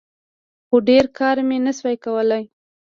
خو ډېر کار مې نسو کولاى.